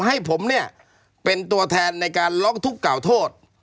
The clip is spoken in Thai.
ให้ผมเนี่ยเป็นตัวแทนในการร้องทุกข์กล่าวโทษ